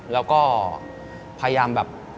แล้วก็พยายามแบบ